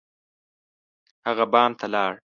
هغه بام ته لاړ.